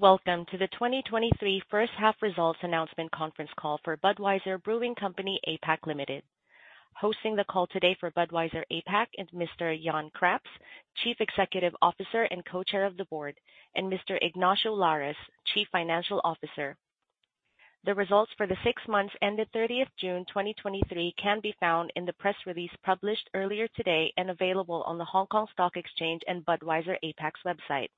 Welcome to the 2023 First Half Results Announcement Conference Call for Budweiser Brewing Company APAC Limited. Hosting the call today for Budweiser APAC is Mr. Jan Craps, Chief Executive Officer and Co-chair of the Board, and Mr. Ignacio Lares, Chief Financial Officer. The results for the six months ended 30th June, 2023, can be found in the press release published earlier today and available on the Hong Kong Stock Exchange and Budweiser APAC's website.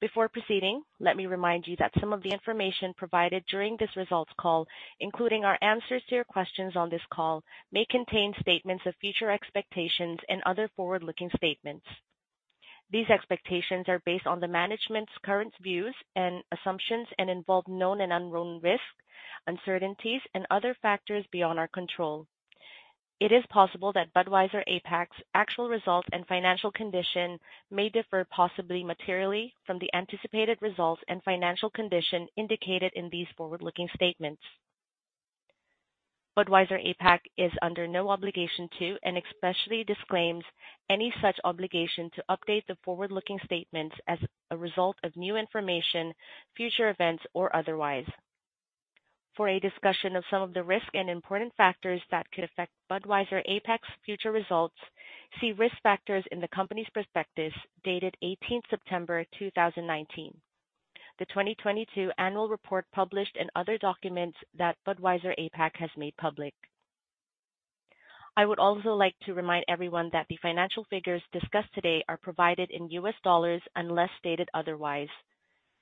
Before proceeding, let me remind you that some of the information provided during this results call, including our answers to your questions on this call, may contain statements of future expectations and other forward-looking statements. These expectations are based on the management's current views and assumptions and involve known and unknown risks, uncertainties, and other factors beyond our control. It is possible that Budweiser APAC's actual results and financial condition may differ, possibly materially, from the anticipated results and financial condition indicated in these forward-looking statements. Budweiser APAC is under no obligation to, and especially disclaims any such obligation to, update the forward-looking statements as a result of new information, future events, or otherwise. For a discussion of some of the risks and important factors that could affect Budweiser APAC's future results, see Risk Factors in the company's prospectus, dated 18th September 2019, the 2022 annual report published, and other documents that Budweiser APAC has made public. I would also like to remind everyone that the financial figures discussed today are provided in U.S. dollars, unless stated otherwise.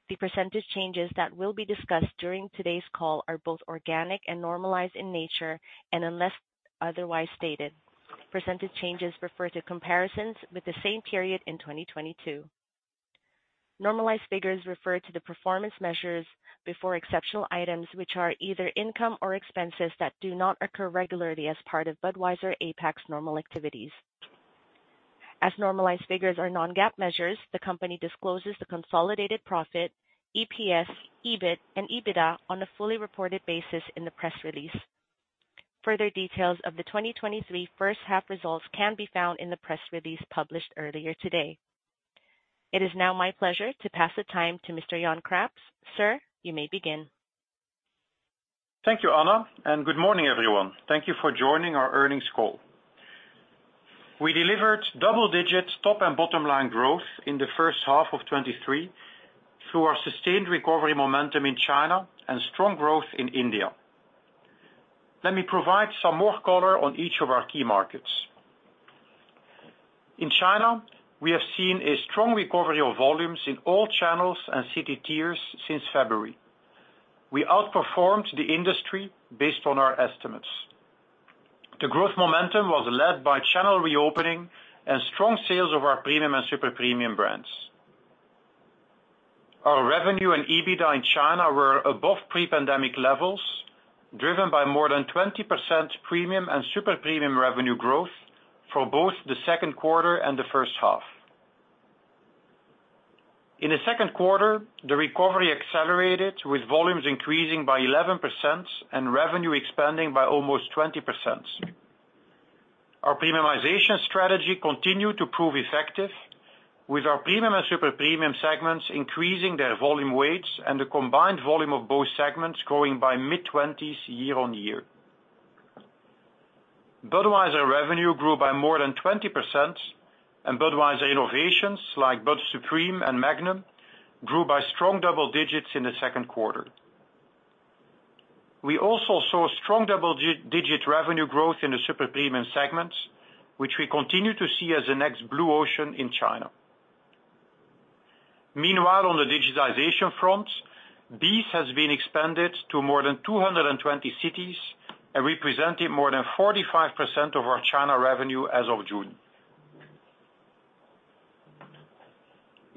The percentage changes that will be discussed during today's call are both organic and normalized in nature. Unless otherwise stated, percentage changes refer to comparisons with the same period in 2022. Normalized figures refer to the performance measures before exceptional items, which are either income or expenses that do not occur regularly as part of Budweiser APAC's normal activities. As normalized figures are non-GAAP measures, the company discloses the consolidated profit, EPS, EBIT, and EBITDA on a fully reported basis in the press release. Further details of the 2023 first half results can be found in the press release published earlier today. It is now my pleasure to pass the time to Mr. Jan Craps. Sir, you may begin. Thank you, Anna, and good morning, everyone. Thank you for joining our earnings call. We delivered double digits top and bottom line growth in the first half of 2023, through our sustained recovery momentum in China and strong growth in India. Let me provide some more color on each of our key markets. In China, we have seen a strong recovery of volumes in all channels and city tiers since February. We outperformed the industry based on our estimates. The growth momentum was led by channel reopening and strong sales of our premium and super premium brands. Our revenue and EBITDA in China were above pre-pandemic levels, driven by more than 20% premium and super premium revenue growth for both the second quarter and the first half. In the second quarter, the recovery accelerated, with volumes increasing by 11% and revenue expanding by almost 20%. Our premiumization strategy continued to prove effective, with our premium and super premium segments increasing their volume weights and the combined volume of both segments growing by mid-20s, year on year. Budweiser revenue grew by more than 20%, and Budweiser Innovations, like Bud Supreme and Magnum, grew by strong double digits in the second quarter. We also saw strong double-digit revenue growth in the super premium segment, which we continue to see as the next blue ocean in China. Meanwhile, on the digitization front, BEES has been expanded to more than 220 cities and represented more than 45% of our China revenue as of June.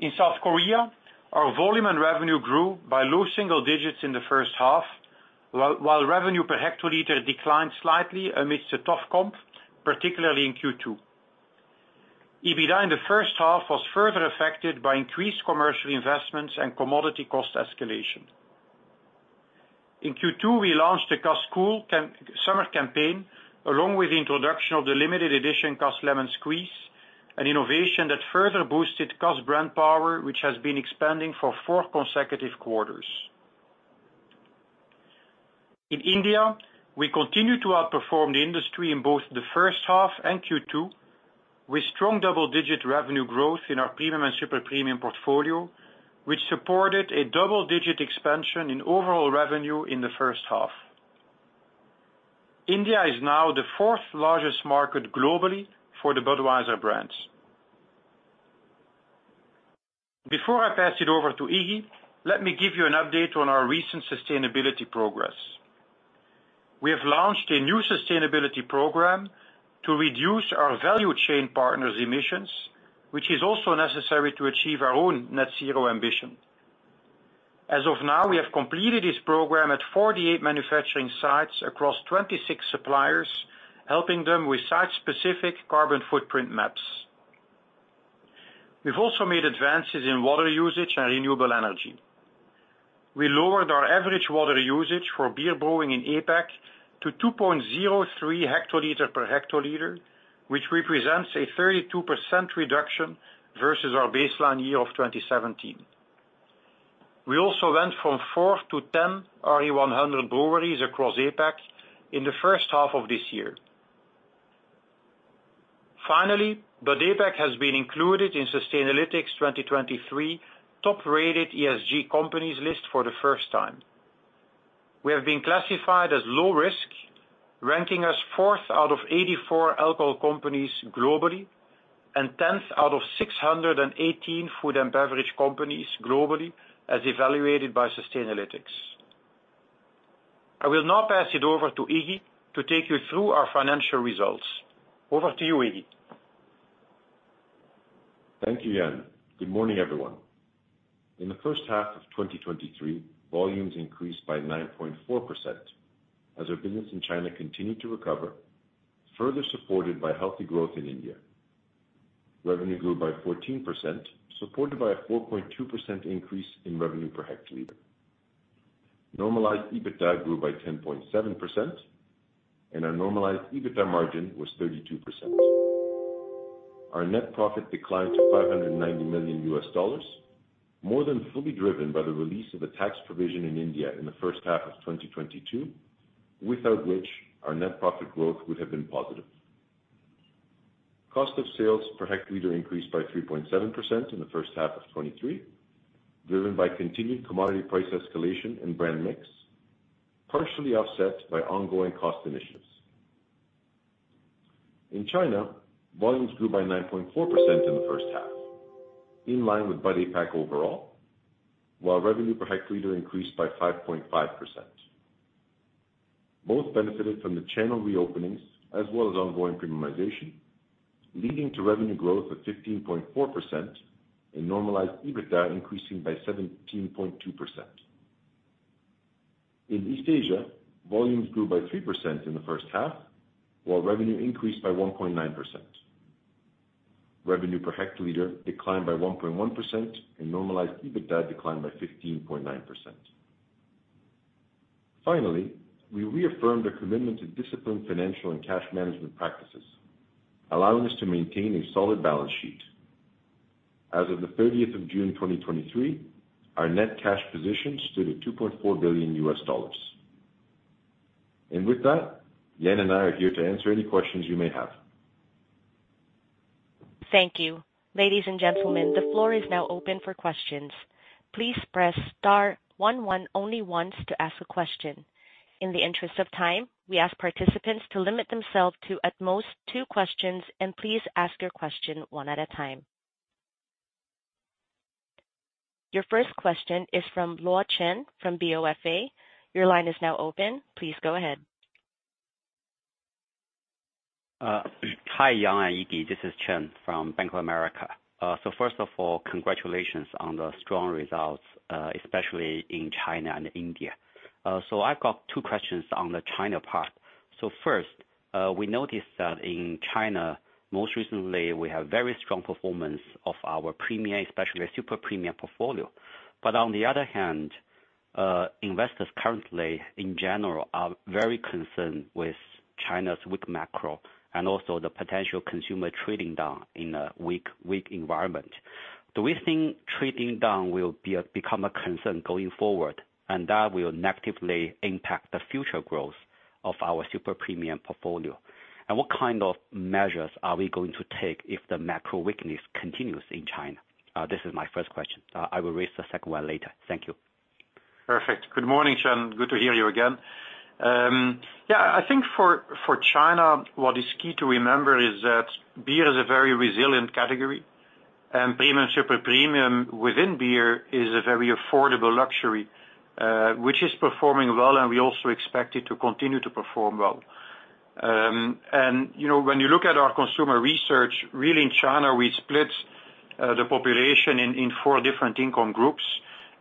In South Korea, our volume and revenue grew by low single digits in the first half, while revenue per hectoliter declined slightly amidst a tough comp, particularly in Q2. EBITDA in the first half was further affected by increased commercial investments and commodity cost escalation. In Q2, we launched the Cass Cool summer campaign, along with the introduction of the limited edition Cass Lemon Squeeze, an innovation that further boosted Cass brand power, which has been expanding for four consecutive quarters. In India, we continue to outperform the industry in both the first half and Q2, with strong double-digit revenue growth in our premium and super premium portfolio, which supported a double-digit expansion in overall revenue in the first half. India is now the 4th largest market globally for the Budweiser brands. Before I pass it over to Iggy, let me give you an update on our recent sustainability progress. We have launched a new sustainability program to reduce our value chain partners' emissions, which is also necessary to achieve our own net zero ambition. As of now, we have completed this program at 48 manufacturing sites across 26 suppliers, helping them with site-specific carbon footprint maps. We've also made advances in water usage and renewable energy. We lowered our average water usage for beer brewing in APAC to 2.03 hL per hL, which represents a 32% reduction versus our baseline year of 2017. We also went from four to 10 RE100 breweries across APAC in the first half of this year. Finally, APAC has been included in Sustainalytics 2023 ESG Top-Rated Companies list for the first time. We have been classified as low risk, ranking us 4th out of 84 alcohol companies globally, and 10th out of 618 food and beverage companies globally, as evaluated by Sustainalytics. I will now pass it over to Iggy to take you through our financial results. Over to you, Iggy. Thank you, Jan. Good morning, everyone. In the first half of 2023, volumes increased by 9.4%, as our business in China continued to recover, further supported by healthy growth in India. Revenue grew by 14%, supported by a 4.2% increase in revenue per hectoliter. Normalized EBITDA grew by 10.7%, and our normalized EBITDA margin was 32%. Our net profit declined to $590 million, more than fully driven by the release of a tax provision in India in the first half of 2022, without which our net profit growth would have been positive. Cost of sales per hectoliter increased by 3.7% in the first half of 2023, driven by continued commodity price escalation and brand mix, partially offset by ongoing cost initiatives. In China, volumes grew by 9.4% in the first half, in line with BUD APAC overall, while revenue per hectoliter increased by 5.5%. Both benefited from the channel reopenings as well as ongoing premiumization, leading to revenue growth of 15.4% and normalized EBITDA increasing by 17.2%. In East Asia, volumes grew by 3% in the first half, while revenue increased by 1.9%. Revenue per hectoliter declined by 1.1%, and normalized EBITDA declined by 15.9%. Finally, we reaffirmed our commitment to disciplined financial and cash management practices, allowing us to maintain a solid balance sheet. As of 30 June 2023, our net cash position stood at $2.4 billion. With that, Jan and I are here to answer any questions you may have. Thank you. Ladies and gentlemen, the floor is now open for questions. Please press star one one only once to ask a question. In the interest of time, we ask participants to limit themselves to at most two questions. Please ask your question one at a time. Your first question is from Chen Luo from BofA. Your line is now open. Please go ahead. Hi, Jan and Iggy. This is Chen from Bank of America. First of all, congratulations on the strong results, especially in China and India. I've got two questions on the China part. First, we noticed that in China, most recently, we have very strong performance of our premium, especially our super premium portfolio. On the other hand, investors currently, in general, are very concerned with China's weak macro and also the potential consumer trading down in a weak, weak environment. Do we think trading down will be a, become a concern going forward, and that will negatively impact the future growth of our super premium portfolio? What kind of measures are we going to take if the macro weakness continues in China? This is my first question. I will raise the second one later. Thank you. Perfect. Good morning, Chen. Good to hear you again. Yeah, I think for, for China, what is key to remember is that beer is a very resilient category, and premium, super premium within beer is a very affordable luxury, which is performing well, and we also expect it to continue to perform well. You know, when you look at our consumer research, really in China, we split the population in, in four different income groups.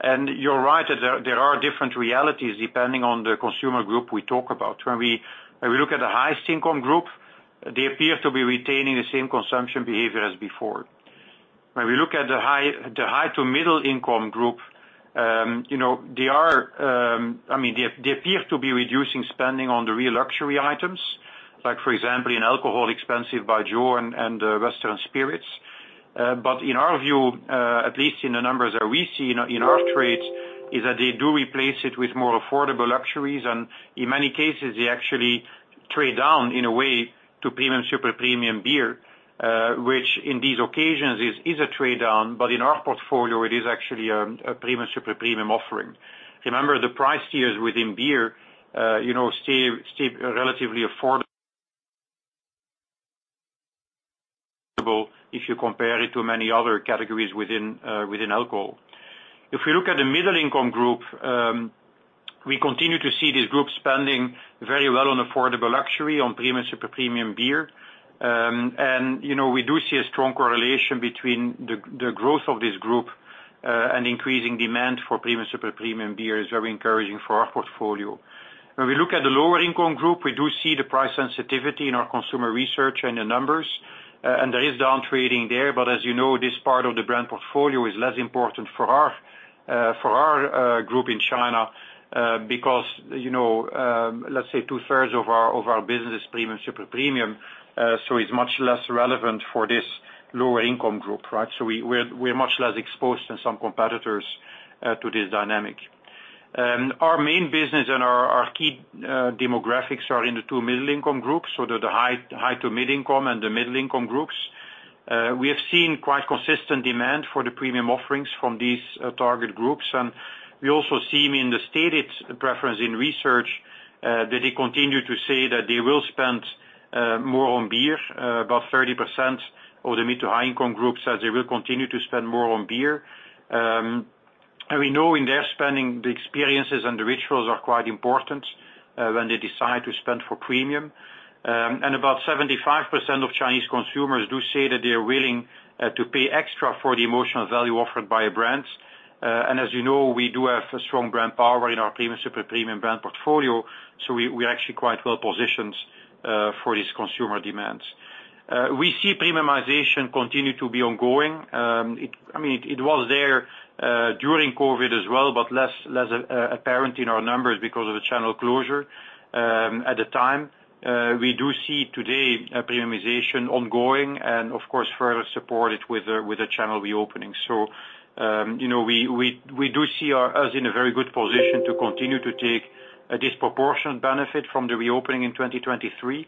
And you're right, that there, there are different realities depending on the consumer group we talk about. When we, when we look at the highest income group, they appear to be retaining the same consumption behavior as before. When we look at the high, the high to middle income group, you know, they are. I mean, they, they appear to be reducing spending on the real luxury items, like, for example, in alcohol, expensive baijiu and, and western spirits. In our view, at least in the numbers that we see in our, in our trades, is that they do replace it with more affordable luxuries, and in many cases, they actually trade down in a way to premium, super premium beer, which in these occasions is, is a trade-down, but in our portfolio, it is actually a, a premium, super-premium offering. Remember, the price tiers within beer, you know, stay, stay relatively affordable if you compare it to many other categories within alcohol. If you look at the middle income group, we continue to see this group spending very well on affordable luxury, on premium, super premium beer. You know, we do see a strong correlation between the, the growth of this group, and increasing demand for premium, super premium beer is very encouraging for our portfolio. When we look at the lower income group, we do see the price sensitivity in our consumer research and the numbers and there is downtrading there, but as you know, this part of the brand portfolio is less important for our, for our, group in China, because, you know, let's say two-thirds of our, of our business is premium, super premium, so it's much less relevant for this lower income group, right? We, we're, we're much less exposed than some competitors, to this dynamic. Our main business and our, our key demographics are in the two middle income groups, so they're the high, high to mid income and the middle income groups. We have seen quite consistent demand for the premium offerings from these target groups, and we also see in the stated preference in research that they continue to say that they will spend more on beer. About 30% of the mid to high income groups says they will continue to spend more on beer. We know in their spending, the experiences and the rituals are quite important when they decide to spend for premium. About 75% of Chinese consumers do say that they are willing to pay extra for the emotional value offered by a brand. As you know, we do have a strong brand power in our premium, super-premium brand portfolio, so we, we are actually quite well positioned for these consumer demands. We see premiumization continue to be ongoing. I mean, it was there during COVID as well, but less, less apparent in our numbers because of the channel closure at the time. We do see today a premiumization ongoing, and of course, further supported with the, with the channel reopening. You know, we, we, we do see us in a very good position to continue to take a disproportionate benefit from the reopening in 2023,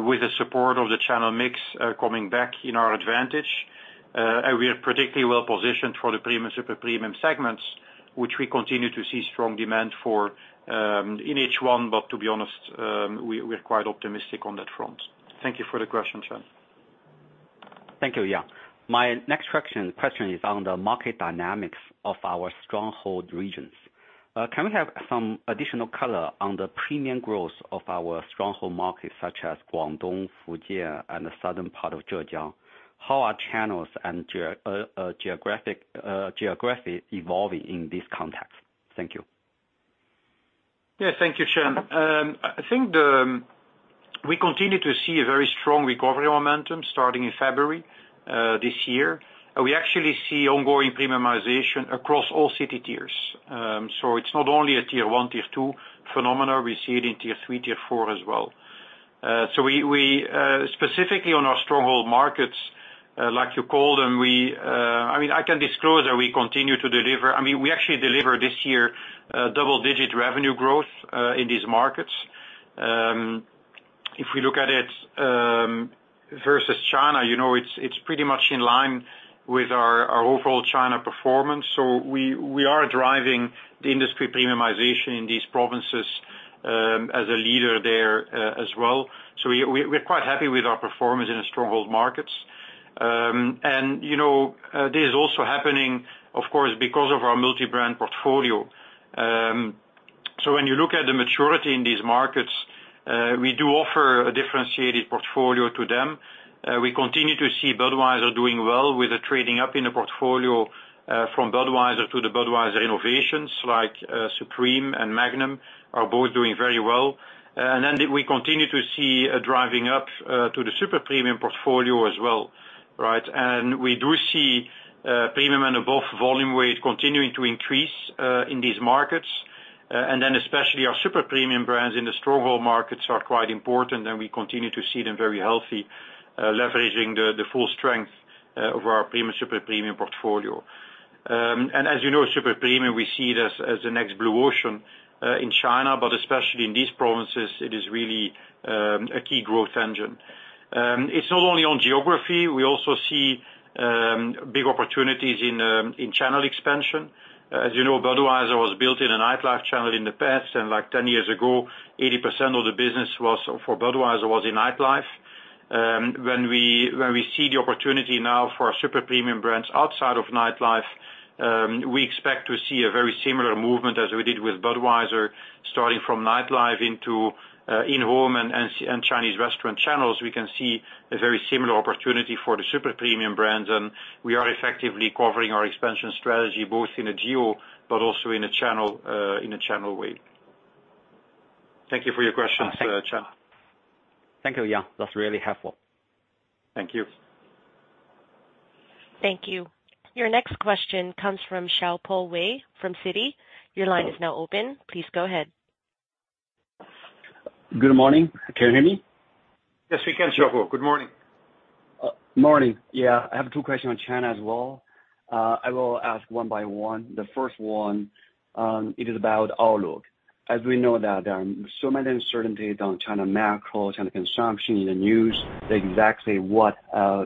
with the support of the channel mix coming back in our advantage. We are particularly well positioned for the premium, super premium segments, which we continue to see strong demand for in H1, but to be honest, we, we are quite optimistic on that front. Thank you for the question, Chen. Thank you, yeah. My next question, question is on the market dynamics of our stronghold regions. Can we have some additional color on the premium growth of our stronghold markets, such as Guangdong, Fujian, and the southern part of Zhejiang? How are channels and geographic geography evolving in this context? Thank you. Yeah, thank you, Chen. I think we continue to see a very strong recovery momentum starting in February this year. We actually see ongoing premiumization across all city tiers. It's not only a Tier 1, Tier 2 phenomena, we see it in Tier 3, Tier 4 as well. We, we, specifically on our stronghold markets, like you call them, I mean, I can disclose that we continue to deliver, I mean, we actually delivered this year double-digit revenue growth in these markets. If we look at it, versus China, you know, it's, it's pretty much in line with our, our overall China performance. We, we are driving the industry premiumization in these provinces, as a leader there, as well. We're quite happy with our performance in the stronghold markets. You know, this is also happening, of course, because of our multi-brand portfolio. When you look at the maturity in these markets, we do offer a differentiated portfolio to them. We continue to see Budweiser doing well with the trading up in the portfolio, from Budweiser to the Budweiser Innovations, like Supreme and Magnum are both doing very well. We continue to see a driving up to the super premium portfolio as well, right? We do see premium and above volume weight continuing to increase in these markets. Then especially our super premium brands in the stronghold markets are quite important, and we continue to see them very healthy, leveraging the, the full strength, of our premium, super premium portfolio. As you know, super premium, we see it as, as the next blue ocean, in China, but especially in these provinces, it is really, a key growth engine. It's not only on geography, we also see, big opportunities in, in channel expansion. As you know, Budweiser was built in a nightlife channel in the past, and like 10 years ago, 80% of the business was, for Budweiser was in nightlife. When we, when we see the opportunity now for our super premium brands outside of nightlife, we expect to see a very similar movement as we did with Budweiser, starting from nightlife into, in-home and, and, and Chinese restaurant channels. We can see a very similar opportunity for the super premium brands, and we are effectively covering our expansion strategy, both in a geo, but also in a channel, in a channel way. Thank you for your questions, Chen. Thank you, yeah. That's really helpful. Thank you. Thank you. Your next question comes from Xiaopo Wei from Citi. Your line is now open. Please go ahead. Good morning. Can you hear me? Yes, we can, Xiaopo. Good morning. Morning. Yeah, I have two questions on China as well. I will ask one by one. The first one, it is about outlook. As we know that there are so many uncertainties on China macro, China consumption in the news, that exactly what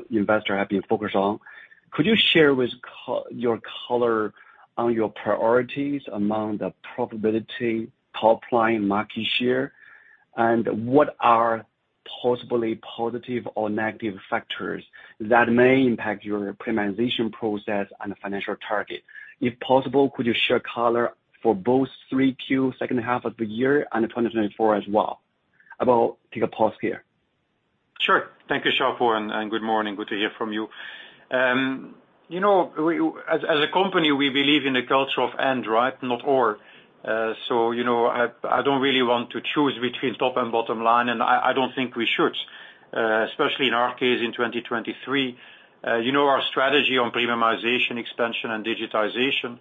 investors have been focused on. Could you share with your color on your priorities among the probability, top line, market share? What are possibly positive or negative factors that may impact your premiumization process and financial target? If possible, could you share color for both 3Q, second half of the year and 2024 as well? I will take a pause here. Sure. Thank you, Xiaopo, and, and good morning. Good to hear from you. You know, we, as, as a company, we believe in the culture of and, right, not or. So, you know, I, I don't really want to choose between top and bottom line, and I, I don't think we should, especially in our case, in 2023. You know, our strategy on premiumization, expansion, and digitization,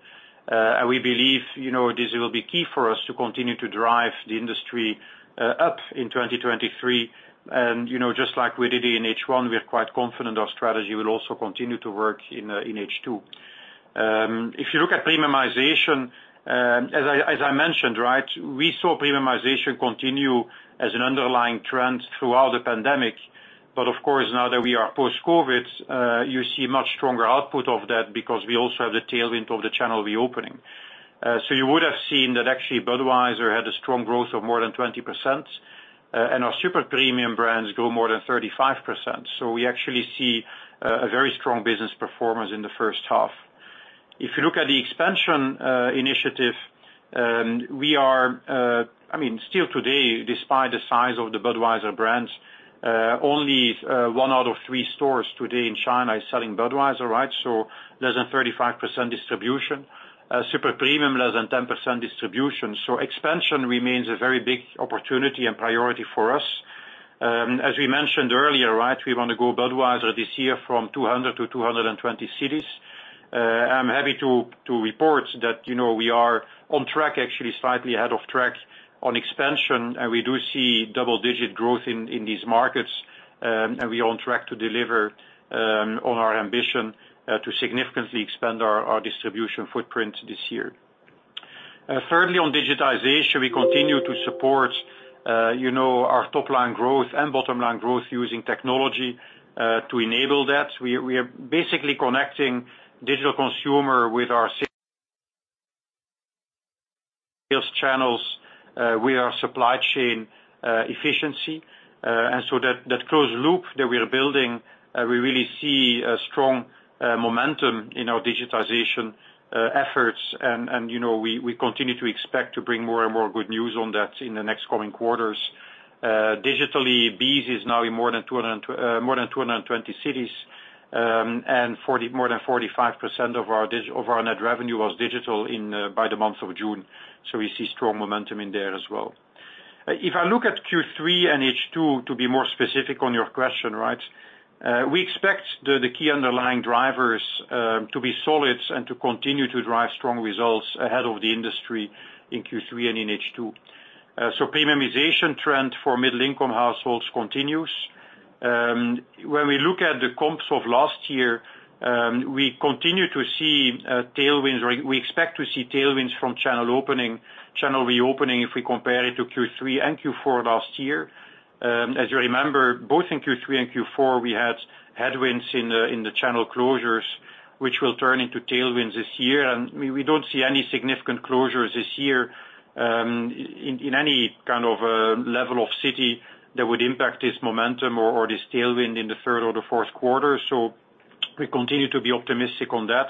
and we believe, you know, this will be key for us to continue to drive the industry, up in 2023. You know, just like we did in H1, we are quite confident our strategy will also continue to work in H2. If you look at premiumization, as I, as I mentioned, right, we saw premiumization continue as an underlying trend throughout the pandemic. Of course, now that we are post-COVID, you see much stronger output of that because we also have the tailwind of the channel reopening. You would have seen that actually Budweiser had a strong growth of more than 20%, and our super premium brands grew more than 35%. We actually see a very strong business performance in the first half. If you look at the expansion initiative, I mean, still today, despite the size of the Budweiser brands, only one out of three stores today in China is selling Budweiser, right? Less than 35% distribution. Super premium, less than 10% distribution. Expansion remains a very big opportunity and priority for us. As we mentioned earlier, right, we want to grow Budweiser this year from 200 to 220 cities. I'm happy to, to report that, you know, we are on track, actually slightly ahead of track, on expansion, and we do see double-digit growth in, in these markets. And we are on track to deliver on our ambition to significantly expand our distribution footprint this year. Thirdly, on digitization, we continue to support, you know, our top line growth and bottom line growth using technology to enable that. We, we are basically connecting digital consumer with our sales channels, with our supply chain efficiency. So that, that closed loop that we are building, we really see a strong momentum in our digitization efforts. You know, we, we continue to expect to bring more and more good news on that in the next coming quarters. Digitally, BEES is now in more than 200, more than 220 cities, and more than 45% of our net revenue was digital in by the month of June. We see strong momentum in there as well. If I look at Q3 and H2, to be more specific on your question, right, we expect the, the key underlying drivers to be solid and to continue to drive strong results ahead of the industry in Q3 and in H2. Premiumization trend for middle income households continues. When we look at the comps of last year, we continue to see tailwinds, or we expect to see tailwinds from channel opening, channel reopening if we compare it to Q3 and Q4 last year. As you remember, both in Q3 and Q4, we had headwinds in the, in the channel closures, which will turn into tailwinds this year. We, we don't see any significant closures this year, in, in any kind of level of city that would impact this momentum or, or this tailwind in the third or the fourth quarter. We continue to be optimistic on that.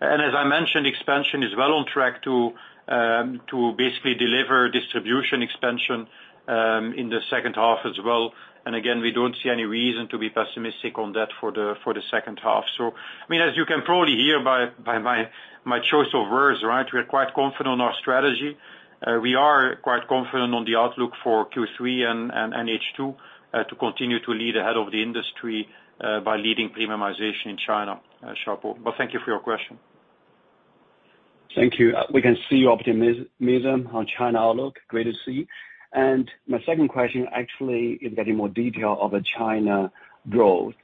As I mentioned, expansion is well on track to to basically deliver distribution expansion in the second half as well. Again, we don't see any reason to be pessimistic on that for the, for the second half. I mean, as you can probably hear by my choice of words, right, we are quite confident on our strategy. We are quite confident on the outlook for Q3 and H2 to continue to lead ahead of the industry by leading premiumization in China, Xiaopo. Thank you for your question. Thank you. We can see your optimism on China outlook. Great to see. My second question actually is getting more detail of the China growth.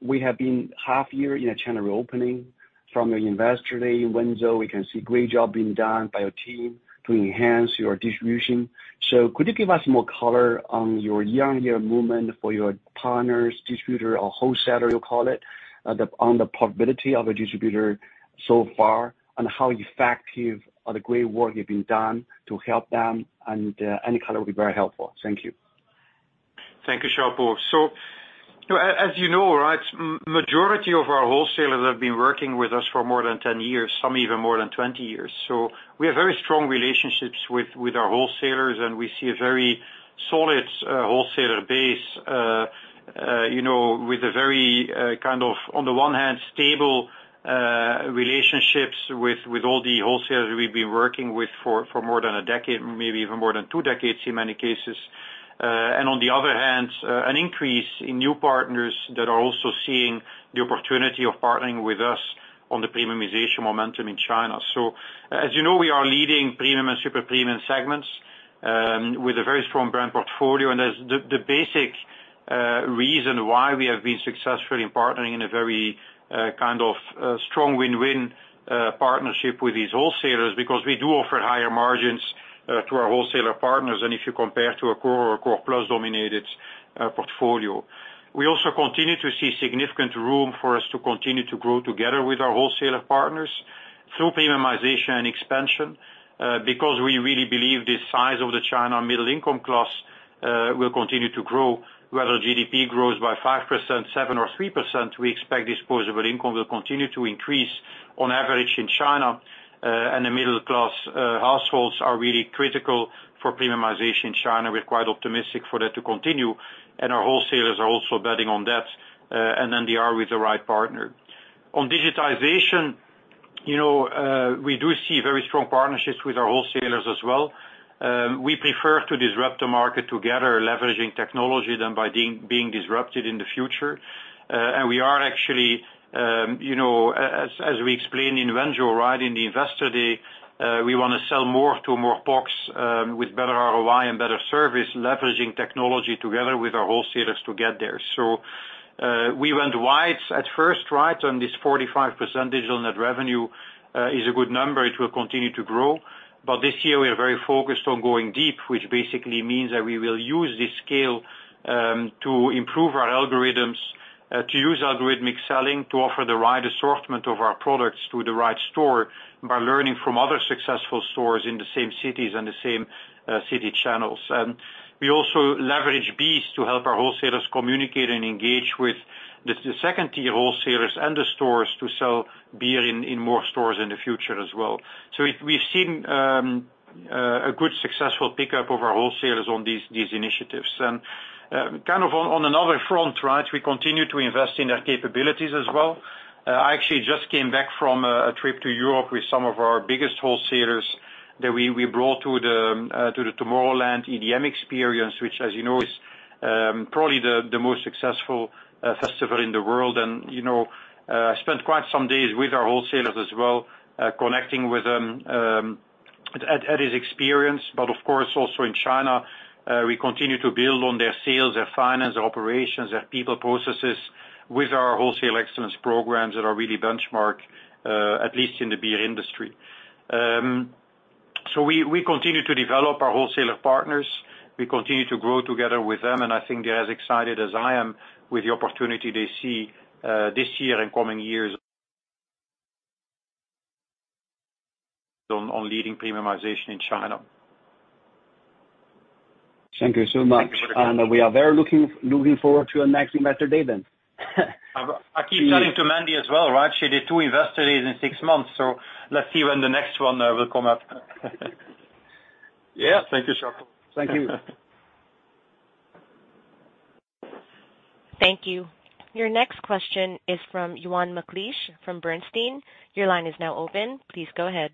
We have been half year in a China reopening. From an Investor Day in Wenzhou, we can see great job being done by your team to enhance your distribution. Could you give us more color on your year-on-year movement for your partners, distributor, or wholesaler, you call it, on the profitability of a distributor so far, and how effective are the great work you've been done to help them, and any color will be very helpful. Thank you. Thank you, Xiaopo. You know, as, as you know, majority of our wholesalers have been working with us for more than 10 years, some even more than 20 years. We have very strong relationships with, with our wholesalers, and we see a very solid wholesaler base, you know, with a very kind of, on the one hand, stable relationships with, with all the wholesalers we've been working with for, for more than a decade, maybe even more than two decades in many cases. On the other hand, an increase in new partners that are also seeing the opportunity of partnering with us on the premiumization momentum in China. As you know, we are leading premium and super premium segments with a very strong brand portfolio. As the, the basic reason why we have been successful in partnering in a very kind of strong win-win partnership with these wholesalers, because we do offer higher margins to our wholesaler partners than if you compare to a core or a core plus dominated portfolio. We also continue to see significant room for us to continue to grow together with our wholesaler partners through premiumization and expansion, because we really believe the size of the China middle income class will continue to grow. Whether GDP grows by 5%, 7%, or 3%, we expect disposable income will continue to increase, on average in China, and the middle class households are really critical for premiumization in China. We're quite optimistic for that to continue, and our wholesalers are also betting on that, and then they are with the right partner. On digitization, you know, we do see very strong partnerships with our wholesalers as well. We prefer to disrupt the market together, leveraging technology, than by being, being disrupted in the future. We are actually, you know, as, as we explained in Wenzhou, right, in the Investor Day, we wanna sell more to more [folks], with better ROI and better service, leveraging technology together with our wholesalers to get there. We went wide at first, right, on this 45% digital net revenue, is a good number. It will continue to grow. This year, we are very focused on going deep, which basically means that we will use this scale to improve our algorithms, to use algorithmic selling to offer the right assortment of our products to the right store by learning from other successful stores in the same cities and the same city channels. We also leverage BEES to help our wholesalers communicate and engage with the second-tier wholesalers and the stores to sell beer in more stores in the future as well. we've seen a good successful pickup of our wholesalers on these initiatives. Kind of on another front, right, we continue to invest in their capabilities as well. I actually just came back from a, a trip to Europe with some of our biggest wholesalers that we, we brought to the Tomorrowland EDM experience, which, as you know, is probably the most successful festival in the world. You know, I spent quite some days with our wholesalers as well, connecting with them at, at, at this experience. Of course, also in China, we continue to build on their sales, their finance, operations, their people processes, with our wholesale excellence programs that are really benchmark, at least in the beer industry. We, we continue to develop our wholesaler partners. We continue to grow together with them, and I think they're as excited as I am with the opportunity they see this year and coming years on, on leading premiumization in China. Thank you so much. Thank you very much. We are very looking forward to our next Investor Day then. I, I keep telling to Mandy as well, right? She did two Investor Days in six months, so let's see when the next one will come up. Yeah. Thank you, Charles. Thank you. Thank you. Your next question is from Euan McLeish, from Bernstein. Your line is now open. Please go ahead.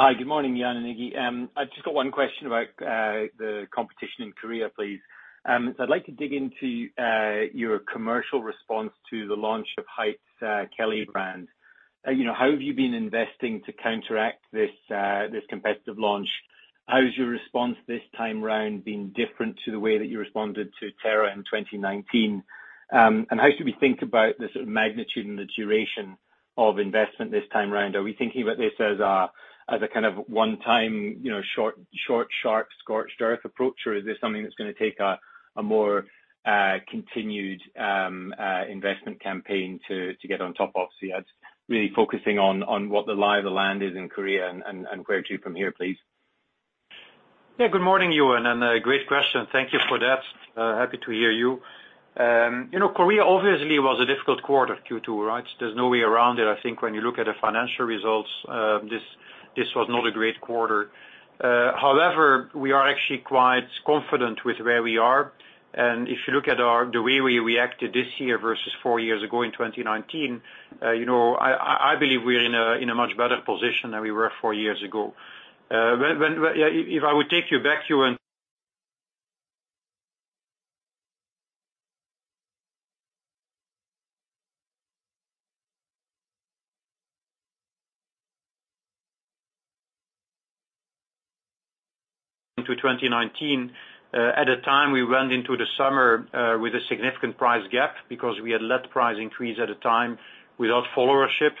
Hi, good morning, Jan and Iggy. I've just got one question about the competition in Korea, please. I'd like to dig into your commercial response to the launch of Hite's Kelly brand. You know, how have you been investing to counteract this competitive launch? How has your response this time around been different to the way that you responded to Terra in 2019? How should we think about the sort of magnitude and the duration of investment this time around? Are we thinking about this as a, as a kind of one-time, you know, short, short, sharp, scorched earth approach, or is this something that's gonna take a more continued investment campaign to get on top of? Yeah, it's really focusing on, on what the lie of the land is in Korea and, and, and where to from here, please. Yeah, good morning, Euan, and great question. Thank you for that. Happy to hear you. You know, Korea obviously was a difficult quarter, Q2, right? There's no way around it. I think when you look at the financial results, this, this was not a great quarter. However, we are actually quite confident with where we are, and if you look at our... the way we reacted this year versus four years ago in 2019, you know, I, I, I believe we're in a, in a much better position than we were four years ago. When, when, if, if I would take you back, Euan, to 2019, at the time, we went into the summer, with a significant price gap because we had left price increase at the time without followership.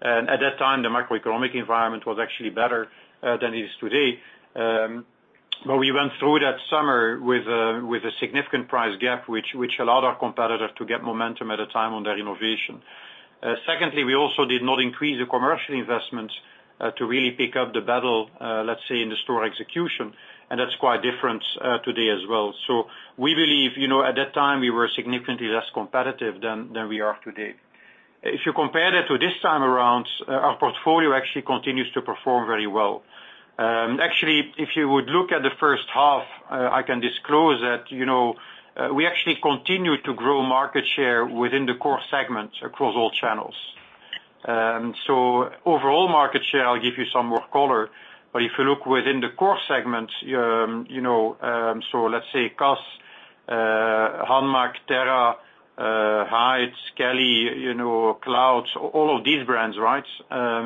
At that time, the macroeconomic environment was actually better than it is today. We went through that summer with a, with a significant price gap, which, which allowed our competitor to get momentum at a time on their innovation. Secondly, we also did not increase the commercial investments to really pick up the battle, let's say, in the store execution, and that's quite different today as well. We believe, you know, at that time, we were significantly less competitive than, than we are today. If you compare that to this time around, our portfolio actually continues to perform very well. Actually, if you would look at the first half, I can disclose that, you know, we actually continued to grow market share within the core segments across all channels. Overall market share, I'll give you some more color. If you look within the core segments, you know, let's say Cass, HANMAC, Terra, Hite, Kelly, you know, Kloud, all of these brands, right?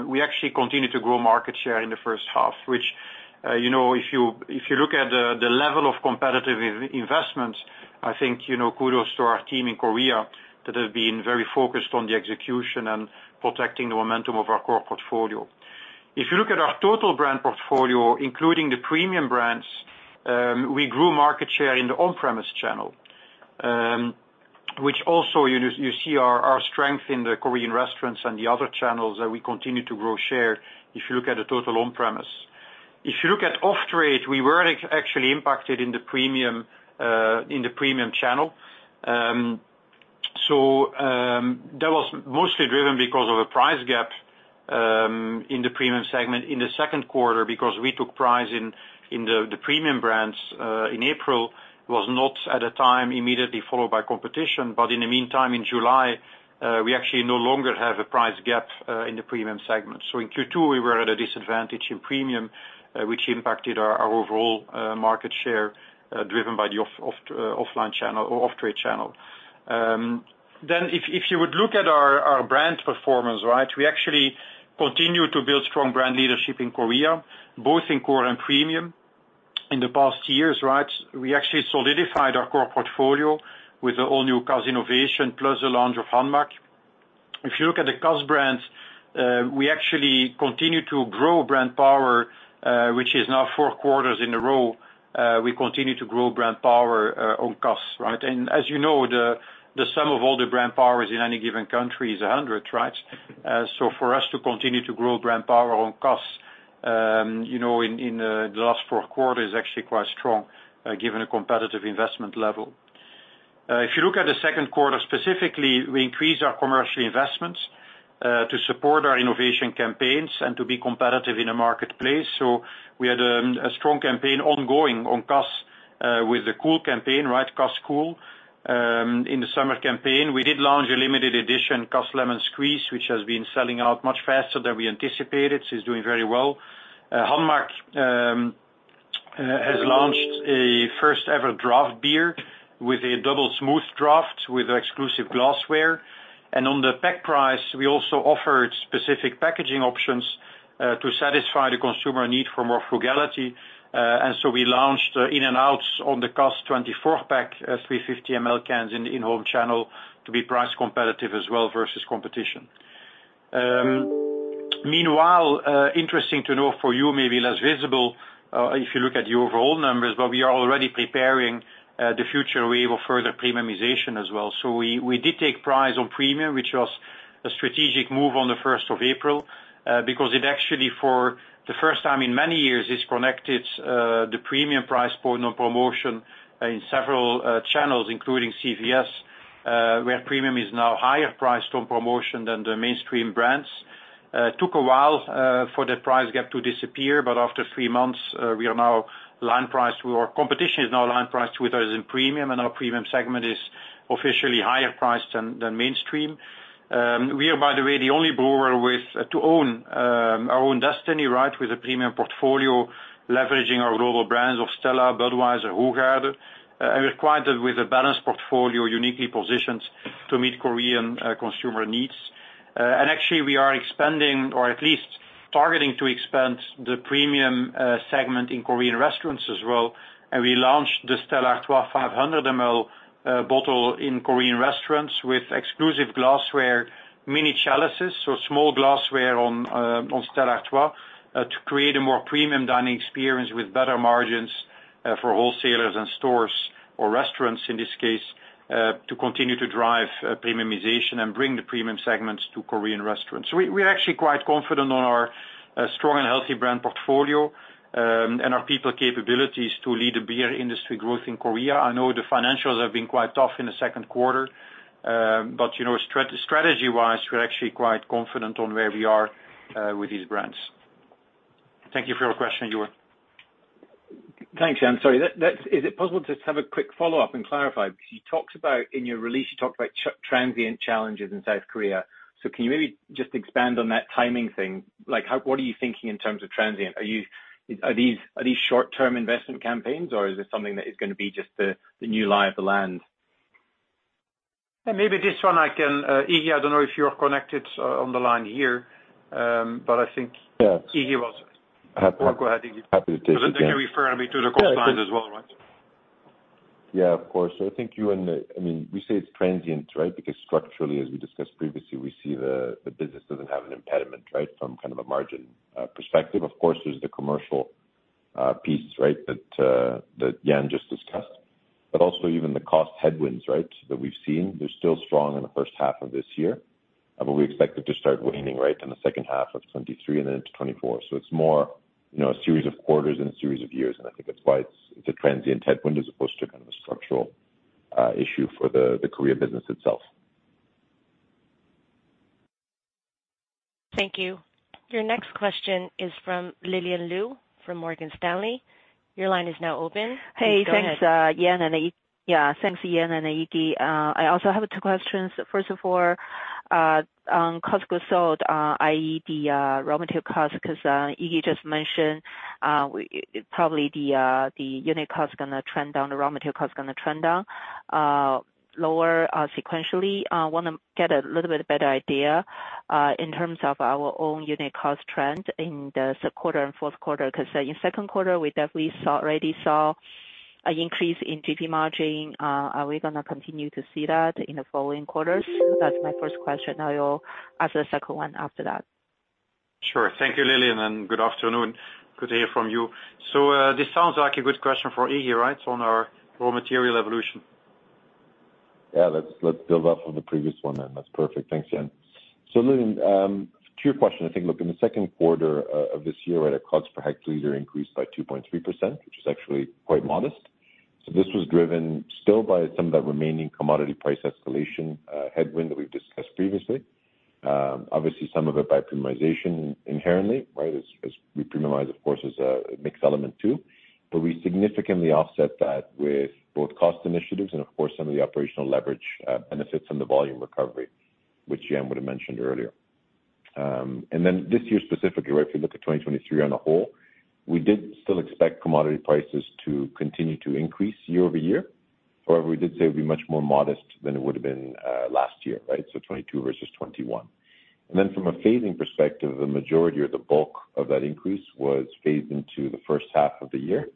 We actually continued to grow market share in the first half, which, you know, if you, if you look at the, the level of competitive investment, I think, you know, kudos to our team in Korea, that have been very focused on the execution and protecting the momentum of our core portfolio. If you look at our total brand portfolio, including the premium brands, we grew market share in the on-premise channel, which also you, you see our, our strength in the Korean restaurants and the other channels, that we continue to grow share if you look at the total on-premise. If you look at off trade, we were actually impacted in the premium, in the premium channel. That was mostly driven because of a price gap, in the premium segment in the second quarter, because we took price in, in the, the premium brands, in April, was not at a time immediately followed by competition. In the meantime, in July, we actually no longer have a price gap, in the premium segment. In Q2, we were at a disadvantage in premium, which impacted our, our overall, market share, driven by the off, off, offline channel or off trade channel. If, if you would look at our, our brand performance, right, we actually continue to build strong brand leadership in Korea, both in core and premium. In the past years, right, we actually solidified our core portfolio with the all new Cass innovation, plus the launch of HANMAC. If you look at the Cass brands, we actually continue to grow brand power, which is now four quarters in a row. We continue to grow brand power on Cass, right? As you know, the, the sum of all the brand powers in any given country is 100, right? So for us to continue to grow brand power on Cass, you know, in, in, the last four quarters is actually quite strong, given a competitive investment level. If you look at the second quarter, specifically, we increased our commercial investments to support our innovation campaigns and to be competitive in the marketplace. We had a strong campaign ongoing on Cass with the cool campaign, right, Cass Cool. In the summer campaign, we did launch a limited edition, Cass Lemon Squeeze, which has been selling out much faster than we anticipated. It's doing very well. HANMAC has launched a first ever draft beer with a double smooth draft with exclusive glassware. On the pack price, we also offered specific packaging options to satisfy the consumer need for more frugality. We launched in and outs on the Cass 24-pack, 350 ml cans in the in-home channel to be price competitive as well versus competition. Interesting to know for you, maybe less visible, if you look at the overall numbers, but we are already preparing the future way of further premiumization as well. We, we did take price on premium, which was a strategic move on the first of April, because it actually for the first time in many years, is connected, the premium price point on promotion in several channels, including CVS, where premium is now higher priced on promotion than the mainstream brands. Took a while for the price gap to disappear, but after three months, we are now line priced. Our competition is now line priced with us in premium, and our premium segment is officially higher priced than, than mainstream. We are, by the way, the only one brewer to own our own destiny, right, with a premium portfolio, leveraging our global brands of Stella, Budweiser, Hoegaarden, and we're quite with a balanced portfolio, uniquely positioned to meet Korean consumer needs. Actually, we are expanding or at least targeting to expand the premium segment in Korean restaurants as well. We launched the Stella Artois 500 ml bottle in Korean restaurants with exclusive glassware, mini chalices, so small glassware on Stella Artois to create a more premium dining experience with better margins for wholesalers and stores or restaurants, in this case, to continue to drive premiumization and bring the premium segments to Korean restaurants. We, we're actually quite confident on our strong and healthy brand portfolio, and our people capabilities to lead the beer industry growth in Korea. I know the financials have been quite tough in the second quarter, but you know, strategy-wise, we're actually quite confident on where we are with these brands. Thank you for your question, Euan. Thanks, Jan. Sorry, that, that... Is it possible to just have a quick follow-up and clarify? You talked about, in your release, you talked about transient challenges in South Korea. Can you maybe just expand on that timing thing? Like, what are you thinking in terms of transient? Are you, are these short-term investment campaigns, or is this something that is going to be just the, the new lie of the land? Yeah, maybe this one I can, Iggy, I don't know if you're connected, on the line here, but I think- Yes. Iggy was. Go ahead, Iggy. Happy to take it. Then you can refer me to the core signs as well, right? Yeah, of course. I think you and, I mean, we say it's transient, right? Because structurally, as we discussed previously, we see the, the business doesn't have an impediment, right? From kind of a margin, perspective. Of course, there's the commercial, piece, right, that, that Jan just discussed, but also even the cost headwinds, right, that we've seen, they're still strong in the first half of this year. We expect it to start waning, right, in the second half of 2023 and then into 2024. It's more, you know, a series of quarters and a series of years, and I think that's why it's, it's a transient headwind as opposed to kind of a structural, issue for the, the Korea business itself. Thank you. Your next question is from Lillian Lou, from Morgan Stanley. Your line is now open. Hey, thanks, Jan and yeah, thanks, Jan and Iggy. I also have two questions. First of all, on cost goods sold, i.e., the raw material cost, 'cause Iggy just mentioned probably the unit cost is gonna trend down, the raw material cost is gonna trend down, lower sequentially. Want to get a little bit better idea in terms of our own unit cost trend in the third quarter and fourth quarter, 'cause in second quarter, we definitely saw, already saw an increase in GP margin. Are we gonna continue to see that in the following quarters? That's my 1st question. I will ask the second one after that. Sure. Thank you, Lillian. Good afternoon. Good to hear from you. This sounds like a good question for Iggy, right, on our raw material evolution? Yeah, let's, let's build off of the previous one then. That's perfect. Thanks, Jan. Lillian, to your question, I think, look, in the second quarter of this year, right, our costs per hectoliter increased by 2.3%, which is actually quite modest. This was driven still by some of the remaining commodity price escalation headwind that we've discussed previously. Obviously, some of it by premiumization inherently, right? As, as we premiumize, of course, as a mixed element too. We significantly offset that with both cost initiatives and, of course, some of the operational leverage benefits from the volume recovery, which Jan would have mentioned earlier. This year specifically, right, if you look at 2023 on a whole, we did still expect commodity prices to continue to increase year-over-year. We did say it would be much more modest than it would have been last year, right? 2022 versus 2021. From a phasing perspective, the majority or the bulk of that increase was phased into the first half of the year.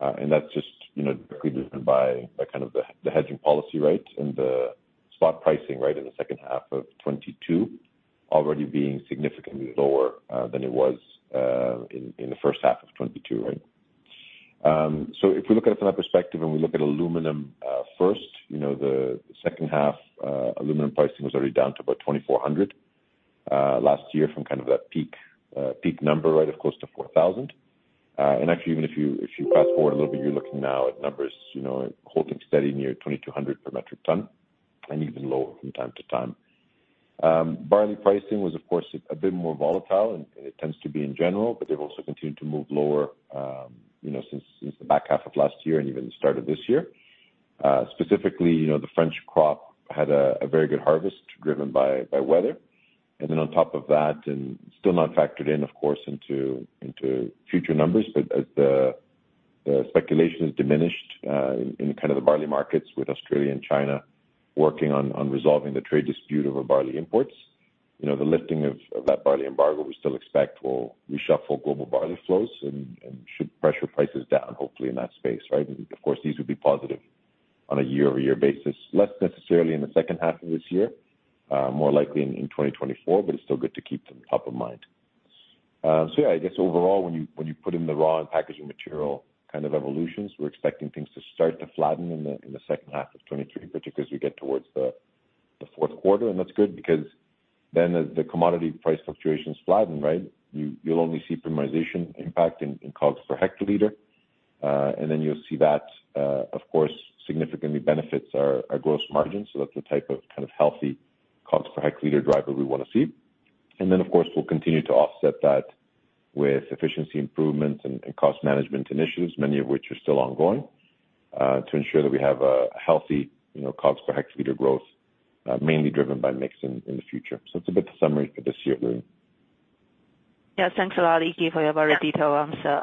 That's just, you know, directly driven by the kind of the, the hedging policy, right? The spot pricing, right, in the second half of 2022, already being significantly lower than it was in the first half of 2022, right? If we look at it from that perspective, and we look at aluminum first, you know, the second half aluminum pricing was already down to about 2,400 last year from kind of that peak peak number, right, of close to 4,000. Actually, even if you, if you fast forward a little bit, you're looking now at numbers, you know, holding steady near 2,200 per metric ton, and even lower from time to time. Barley pricing was, of course, a bit more volatile, and it tends to be in general, but they've also continued to move lower, you know, since, since the back half of last year and even the start of this year. Specifically, you know, the French crop had a, a very good harvest driven by, by weather. Then on top of that, and still not factored in, of course, into, into future numbers, but as the, the speculation has diminished, in, in kind of the barley markets with Australia and China working on, on resolving the trade dispute over barley imports, you know, the lifting of, of that barley embargo, we still expect will reshuffle global barley flows and, and should pressure prices down, hopefully, in that space, right? Of course, these would be positive on a year-over-year basis, less necessarily in the second half of this year, more likely in, in 2024, but it's still good to keep them top of mind. I guess overall, when you, when you put in the raw and packaging material kind of evolutions, we're expecting things to start to flatten in the, in the second half of 2023, particularly as we get towards the, the fourth quarter. That's good because then as the commodity price fluctuations flatten, right, you, you'll only see premiumization impact in, in costs per hectoliter. You'll see that, of course, significantly benefits our, our gross margin. That's the type of kind of healthy cost per hectoliter driver we want to see. Of course, we'll continue to offset that with efficiency improvements and, and cost management initiatives, many of which are still ongoing, to ensure that we have a healthy, you know, cost per hectoliter growth, mainly driven by mix in, in the future. It's a bit of summary for this year, Lillian. Yeah, thanks a lot, Iggy, for your very detailed answer.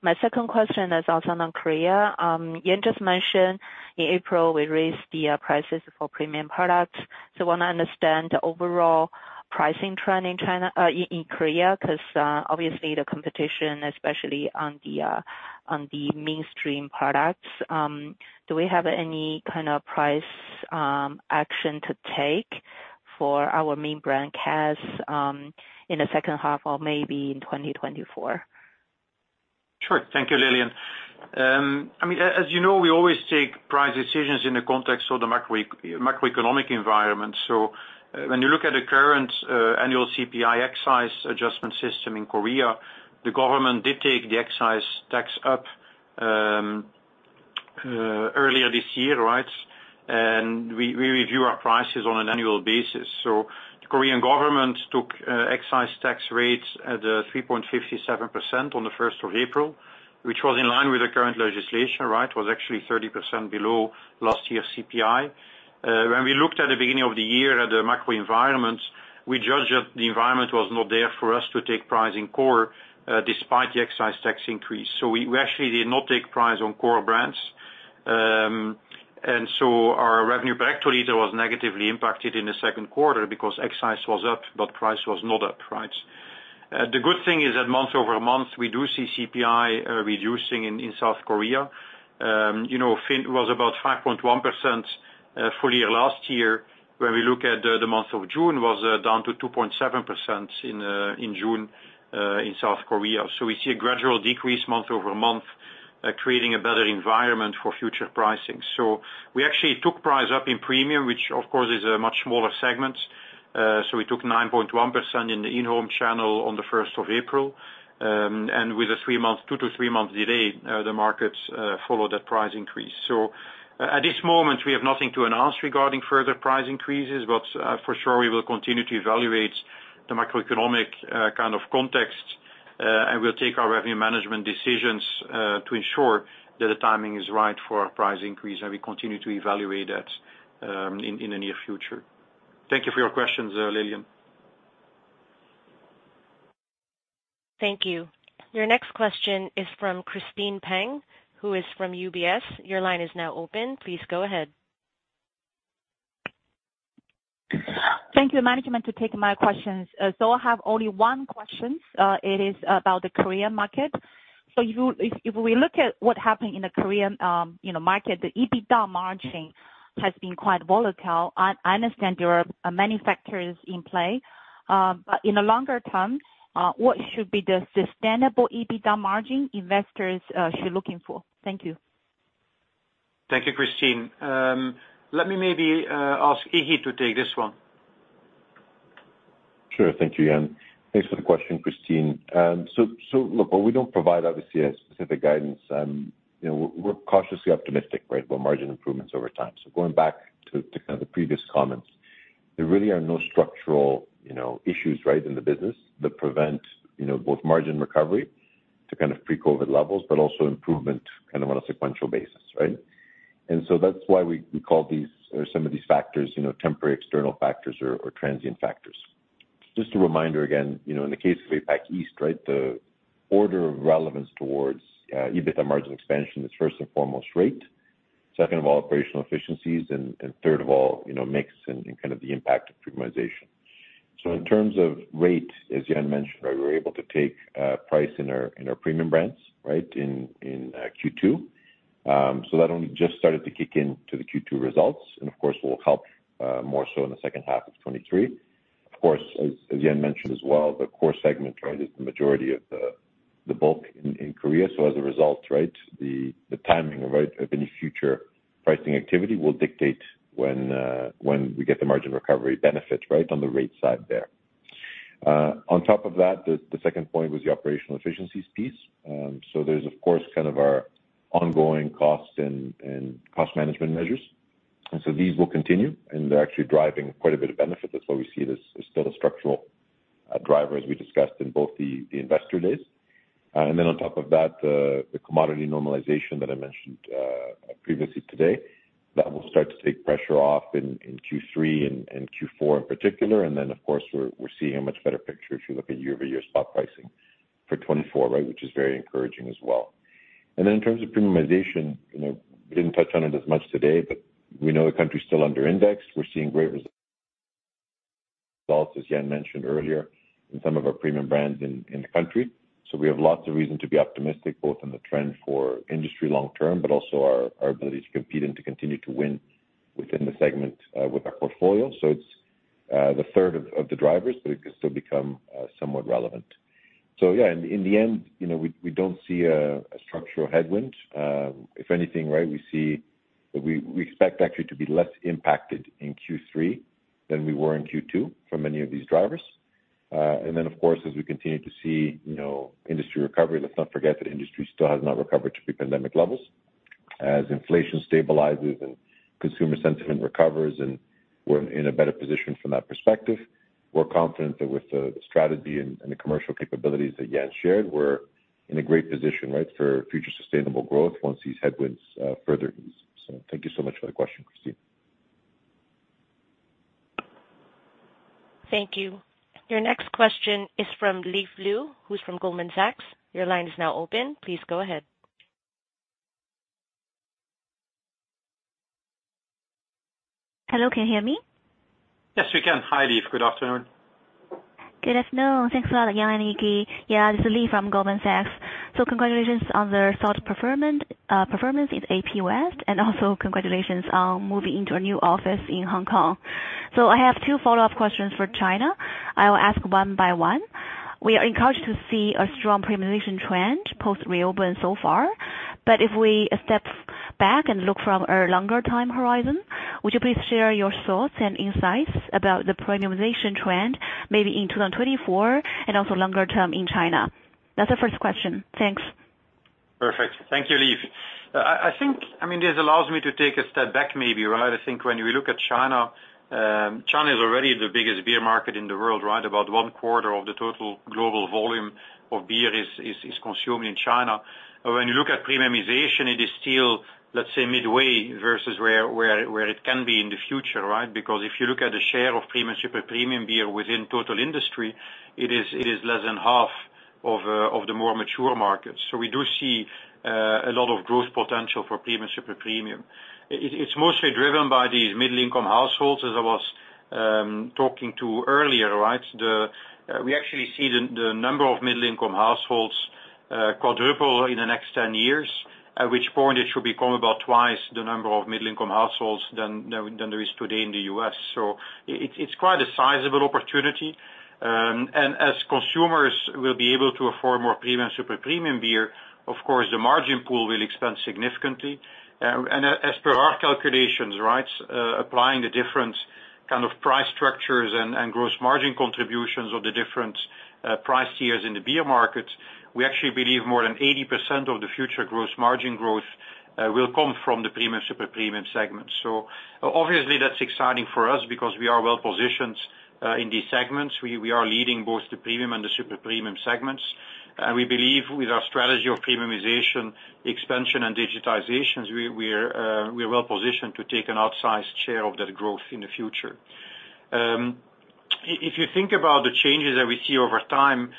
My second question is also on Korea. Jan just mentioned, in April, we raised the prices for premium products. I want to understand the overall pricing trend in China, in Korea, because obviously, the competition, especially on the mainstream products, do we have any kind of price action to take for our main brand Cass in the second half or maybe in 2024? Sure. Thank you, Lillian. I mean, you know, we always take price decisions in the context of the macroeconomic environment. When you look at the current annual CPI excise adjustment system in Korea, the government did take the excise tax up earlier this year, right? We, we review our prices on an annual basis. The Korean government took excise tax rates at 3.57% on the 1st of April, which was in line with the current legislation, right? It was actually 30% below last year's CPI. When we looked at the beginning of the year at the macro environment, we judged that the environment was not there for us to take price in core despite the excise tax increase. We, we actually did not take price on core brands. Our revenue per hectoliter was negatively impacted in the second quarter because excise was up, but price was not up, right? The good thing is that month-over-month, we do see CPI reducing in South Korea. You know, I think it was about 5.1% full year last year. When we look at the month of June, was down to 2.7% in June in South Korea. We see a gradual decrease month-over-month, creating a better environment for future pricing. We actually took price up in premium, which of course is a much smaller segment. We took 9.1% in the in-home channel on the 1st of April. With a three-month, two to three month delay, the markets follow that price increase. At this moment, we have nothing to announce regarding further price increases, for sure, we will continue to evaluate the macroeconomic kind of context, and we'll take our revenue management decisions to ensure that the timing is right for our price increase, and we continue to evaluate that in the near future. Thank you for your questions, Lillian. Thank you. Your next question is from Christine Peng, who is from UBS. Your line is now open. Please go ahead. Thank you, management to take my questions. I have only one question. It is about the Korean market. If, if we look at what happened in the Korean, you know, market, the EBITDA margin has been quite volatile. I, I understand there are many factors in play, but in the longer term, what should be the sustainable EBITDA margin investors should be looking for? Thank you. Thank you, Christine. Let me maybe ask Iggy to take this one. Sure. Thank you, Jan. Thanks for the question, Christine. So look, while we don't provide obviously a specific guidance, you know, we're cautiously optimistic, right, about margin improvements over time. Going back to, to kind of the previous comments, there really are no structural, you know, issues, right, in the business that prevent, you know, both margin recovery to kind of pre-COVID levels, but also improvement kind of on a sequential basis, right? So that's why we, we call these or some of these factors, you know, temporary external factors or, or transient factors. Just a reminder, again, you know, in the case of APAC East, right, the order of relevance towards EBITDA margin expansion is first and foremost, rate. Second of all, operational efficiencies, and, and third of all, you know, mix and, and kind of the impact of premiumization. In terms of rate, as Jan mentioned, right, we were able to take price in our, in our premium brands, right, in, in Q2. That only just started to kick in to the Q2 results, and of course, will help more so in the second half of 2023. Of course, as, as Jan mentioned as well, the core segment, right, is the majority of the, the bulk in, in Korea. As a result, right, the, the timing, right, of any future pricing activity will dictate when we get the margin recovery benefit, right, on the rate side there. On top of that, the second point was the operational efficiencies piece. There's of course, kind of our ongoing costs and, and cost management measures. These will continue, and they're actually driving quite a bit of benefit. That's why we see it as, as still a structural driver, as we discussed in both the, the Investor Day. Then on top of that, the commodity normalization that I mentioned previously today, that will start to take pressure off in, in Q3 and, and Q4 in particular. Of course, we're, we're seeing a much better picture if you look at year-over-year spot pricing for 2024, right, which is very encouraging as well. In terms of premiumization, you know, we didn't touch on it as much today, but we know the country's still under indexed. We're seeing great results, as Jan mentioned earlier, in some of our premium brands in, in the country. We have lots of reason to be optimistic, both in the trend for industry long term, but also our, our ability to compete and to continue to win within the segment, with our portfolio. It's the third of the drivers, but it can still become somewhat relevant. Yeah, in, in the end, you know, we, we don't see a structural headwind. If anything, right, we see. We, we expect actually to be less impacted in Q3 than we were in Q2 from many of these drivers. Then of course, as we continue to see, you know, industry recovery, let's not forget that industry still has not recovered to pre-pandemic levels. As inflation stabilizes and consumer sentiment recovers, and we're in a better position from that perspective, we're confident that with the, the strategy and, and the commercial capabilities that Jan shared, we're in a great position, right, for future sustainable growth once these headwinds, further ease. Thank you so much for the question, Christine. Thank you. Your next question is from Leaf Liu, who's from Goldman Sachs. Your line is now open. Please go ahead. Hello, can you hear me? Yes, we can. Hi, Leaf. Good afternoon. Good afternoon. Thanks a lot, Jan and Iggy. This is Leaf from Goldman Sachs. Congratulations on the solid performance in AP West, and also congratulations on moving into a new office in Hong Kong. I have two follow-up questions for China. I will ask one by one. We are encouraged to see a strong premiumization trend, post reopen so far. If we step back and look from a longer time horizon, would you please share your thoughts and insights about the premiumization trend, maybe in 2024 and also longer term in China? That's the first question. Thanks. Perfect. Thank you, Leaf. I, I think, I mean, this allows me to take a step back maybe, right? I think when we look at China, China is already the biggest beer market in the world, right? About one quarter of the total global volume of beer is, is, is consumed in China. When you look at premiumization, it is still, let's say, midway versus where, where, where it can be in the future, right? Because if you look at the share of premium, super premium beer within total industry, it is, it is less than half of the more mature markets. We do see a lot of growth potential for premium, super premium. It, it's mostly driven by these middle-income households, as I was talking to earlier, right? The, we actually see the number of middle-income households quadruple in the next 10 years, at which point it should become about twice the number of middle-income households than there, than there is today in the U.S. It's, it's quite a sizable opportunity. As consumers will be able to afford more premium, super premium beer, of course, the margin pool will expand significantly. As per our calculations, right, applying the different kind of price structures and gross margin contributions of the different price tiers in the beer market, we actually believe more than 80% of the future gross margin growth will come from the premium, super premium segment. Obviously, that's exciting for us because we are well positioned in these segments. We, we are leading both the premium and the super premium segments. We believe with our strategy of premiumization, expansion, and digitizations, we're well positioned to take an outsized share of that growth in the future. If you think about the changes that we see over time,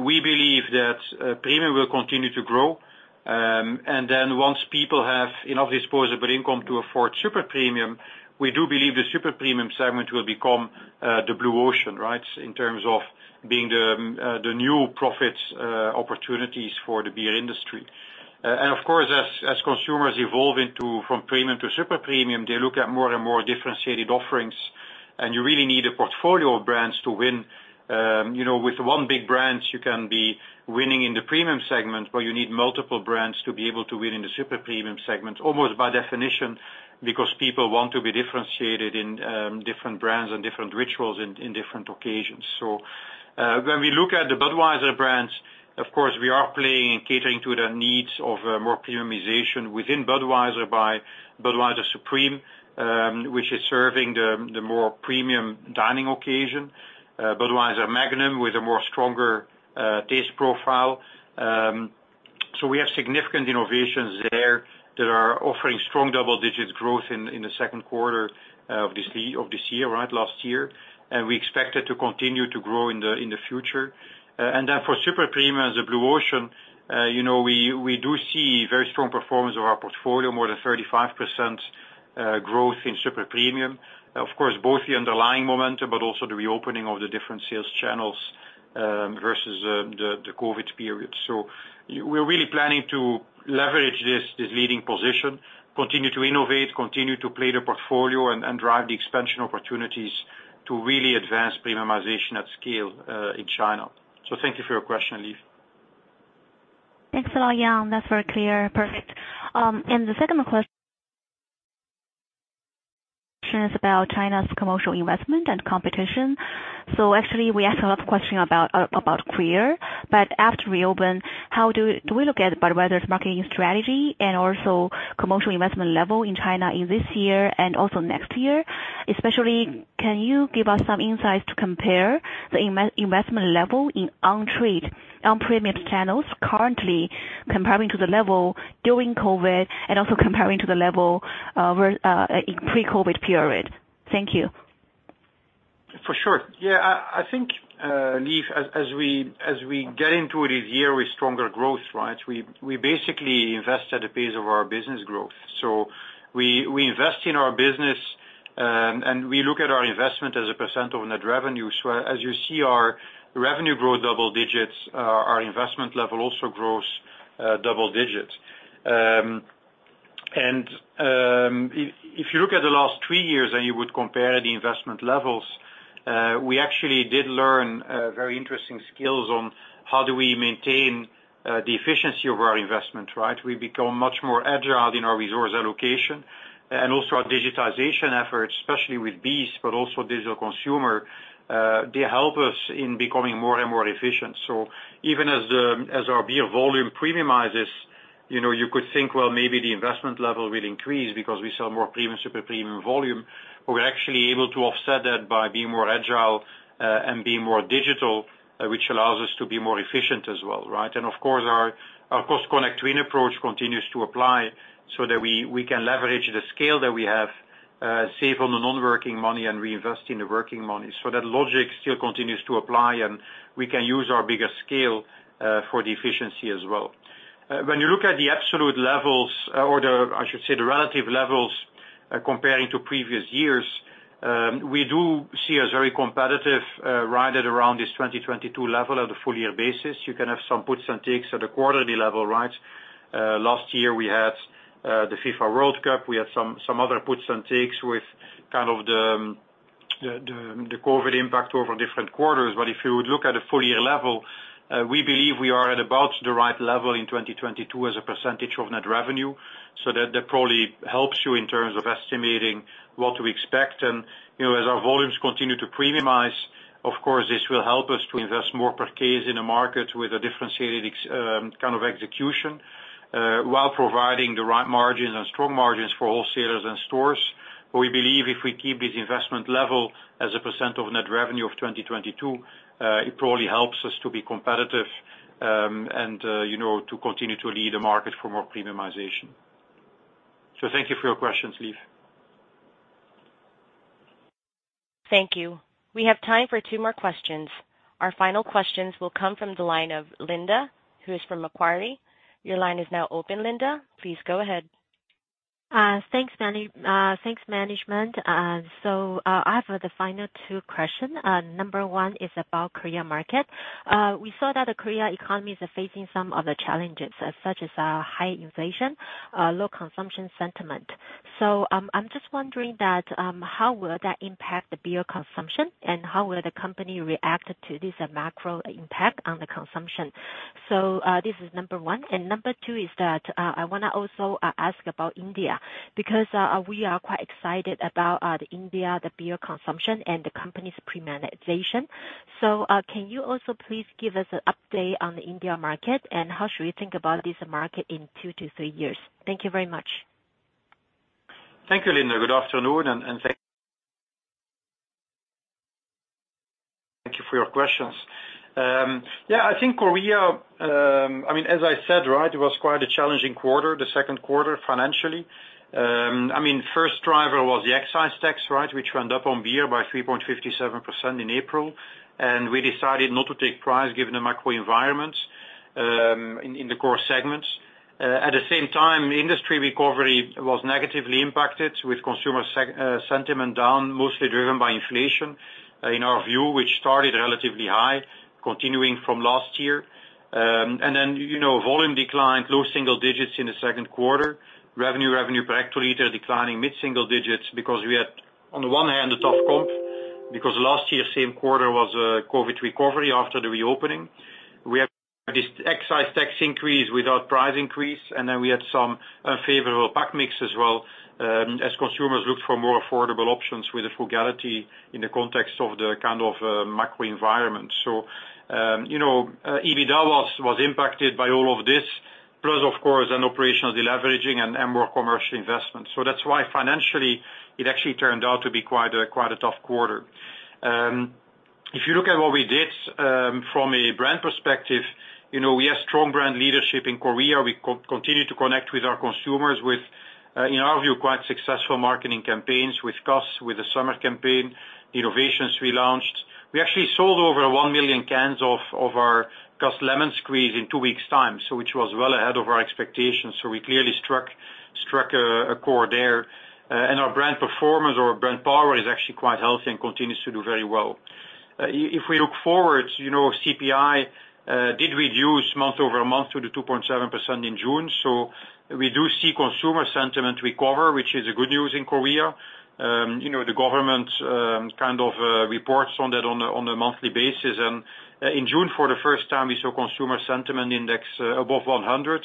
we believe that premium will continue to grow. And then once people have enough disposable income to afford super premium, we do believe the super premium segment will become the blue ocean, right? In terms of being the new profits opportunities for the beer industry. And of course, as consumers evolve into, from premium to super premium, they look at more and more differentiated offerings, and you really need a portfolio of brands to win. You know, with one big brand, you can be winning in the premium segment, but you need multiple brands to be able to win in the super premium segment, almost by definition, because people want to be differentiated in different brands and different rituals in different occasions. When we look at the Budweiser brands, of course, we are playing and catering to the needs of more premiumization within Budweiser by Budweiser Supreme, which is serving the more premium dining occasion, Budweiser Magnum, with a more stronger taste profile. We have significant innovations there that are offering strong double-digit growth in the second quarter of this year, of this year, right, last year. We expect it to continue to grow in the future. Then for super premium as a blue ocean, you know, we, we do see very strong performance of our portfolio, more than 35% growth in super premium. Of course, both the underlying momentum, but also the reopening of the different sales channels, versus the COVID period. We're really planning to leverage this, this leading position, continue to innovate, continue to play the portfolio, and, and drive the expansion opportunities to really advance premiumization at scale in China. Thank you for your question, Leaf. Thanks a lot, Jan. That's very clear. Perfect. The second question is about China's commercial investment and competition. Actually, we ask a lot of question about, about Korea. After reopen, how do, do we look at Budweiser's marketing strategy and also commercial investment level in China in this year and also next year? Especially, can you give us some insights to compare the investment level in on-trade, on-premise channels currently, comparing to the level during COVID and also comparing to the level, where, in pre-COVID period? Thank you. For sure. Yeah, I, I think, Leaf, as, as we, as we get into this year with stronger growth, right, we, we basically invest at the pace of our business growth. We, we invest in our business, and we look at our investment as a percent of net revenue. As you see our revenue grow double digits, our investment level also grows double digits. And, if you look at the last three years, and you would compare the investment levels, we actually did learn very interesting skills on how do we maintain the efficiency of our investment, right? We become much more agile in our resource allocation, and also our digitization efforts, especially with BEES, but also digital consumer. They help us in becoming more and more efficient. Even as, as our beer volume premiumizes, you know, you could think, well, maybe the investment level will increase because we sell more premium, super premium volume. We're actually able to offset that by being more agile and being more digital, which allows us to be more efficient as well, right? Of course, our, our cost connect twin approach continues to apply so that we, we can leverage the scale that we have, save on the non-working money and reinvest in the working money. That logic still continues to apply, and we can use our bigger scale for the efficiency as well. When you look at the absolute levels, or the, I should say, the relative levels, comparing to previous years, we do see a very competitive, right at around this 2022 level on a full year basis. You can have some puts and takes at a quarterly level, right? Last year we had the FIFA World Cup. We had some, some other puts and takes with kind of the, the, the, the COVID impact over different quarters. If you would look at a full year level, we believe we are at about the right level in 2022 as a percentage of net revenue. That, that probably helps you in terms of estimating what we expect. You know, as our volumes continue to premiumize, of course, this will help us to invest more per case in a market with a differentiated, kind of execution, while providing the right margins and strong margins for wholesalers and stores. We believe if we keep this investment level as a % of net revenue of 2022, it probably helps us to be competitive, and, you know, to continue to lead the market for more premiumization. Thank you for your questions, Leaf. Thank you. We have time for two more questions. Our final questions will come from the line of Linda, who is from Macquarie. Your line is now open, Linda. Please go ahead. Thanks, Anna. Thanks, management. I have the final two question. Number one is about Korea market. We saw that the Korea economies are facing some of the challenges, such as, high inflation, low consumption sentiment. I'm just wondering that, how will that impact the beer consumption, and how will the company react to this macro impact on the consumption? This is number one. Number two is that, I wanna also, ask about India, because, we are quite excited about, the India, the beer consumption, and the company's premiumization. Can you also please give us an update on the India market, and how should we think about this market in two to three years? Thank you very much. Thank you, Linda. Good afternoon, and thank you for your questions. Yeah, I think Korea, as I said, right, it was quite a challenging quarter, the second quarter, financially. First driver was the excise tax, right, which went up on beer by 3.57% in April, and we decided not to take price given the macro environment in the core segments. At the same time, industry recovery was negatively impacted with consumer sentiment down, mostly driven by inflation, in our view, which started relatively high, continuing from last year. You know, volume declined low single digits in the second quarter. Revenue, revenue per hectoliter declining mid-single digits because we had, on the one hand, a tough comp because last year, same quarter was a COVID recovery after the reopening. We had this excise tax increase without price increase, we had some unfavorable pack mix as well, as consumers looked for more affordable options with the frugality in the context of the kind of macro environment. You know, EBITDA was impacted by all of this, plus, of course, an operational deleveraging and more commercial investments. That's why financially, it actually turned out to be quite a tough quarter. If you look at what we did, from a brand perspective, you know, we continue to connect with our consumers with, in our view, quite successful marketing campaigns with Cass, with the summer campaign, the innovations we launched. We actually sold over one million cans of, of our Cass Lemon Squeeze in two weeks time, so, which was well ahead of our expectations, so we clearly struck, struck a, a chord there. Our brand performance or brand power is actually quite healthy and continues to do very well. If we look forward, you know, CPI did reduce month-over-month to the 2.7% in June, so we do see consumer sentiment recover, which is a good news in Korea. You know, the government kind of reports on that on a monthly basis. In June, for the first time, we saw consumer sentiment index above 100,